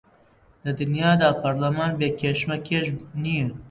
لە دنیادا پەرلەمان بێ کێشمەکێش نییە